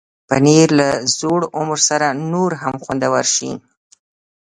پنېر له زوړ عمر سره نور هم خوندور شي.